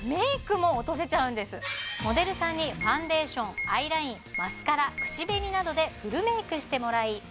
こちらモデルさんにファンデーションアイラインマスカラ口紅などでフルメイクしてもらいＲｅＦａ